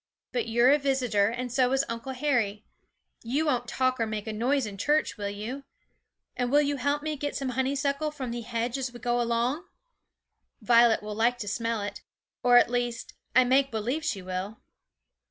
But you're a visitor, and so is Uncle Harry. You won't talk or make a noise in church, will you? And will you help me to get some honeysuckle from the hedge as we go along? Violet will like to smell it at least, I make believe she will.'